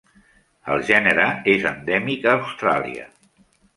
El gènere és endèmic a Austràlia.